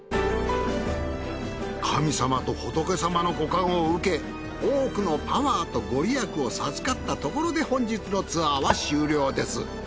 神様と仏様のご加護を受け多くのパワーとご利益を授かったところで本日のツアーは終了です。